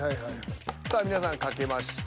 さあ皆さん書けました。